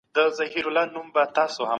سیاستوال چیري د ازادي سوداګرۍ خبري کوي؟